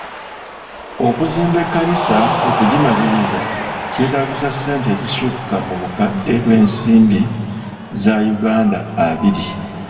Okuzimba ekkanisa okugimaliriza kyetaagisa ssente ezisukka mu bukadde bw'ensimbi za Uganda abiri.